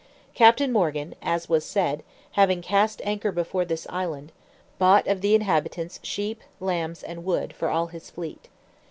Captain Morgan, as was said, having cast anchor before this island, bought of the inhabitants sheep, lambs, and wood, for all his fleet.